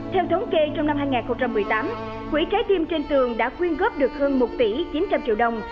theo thống kê trong năm hai nghìn một mươi tám quỹ trái tim trên tường đã quyên góp được hơn một tỷ chín trăm linh triệu đồng